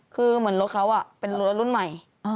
คือเหมือนรถเขาเป็นรถรุ่นใหม่